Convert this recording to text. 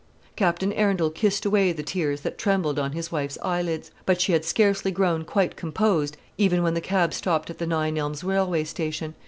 Captain Arundel kissed away the tears that trembled on his wife's eyelids; but she had scarcely grown quite composed even when the cab stopped at the Nine Elms railway station.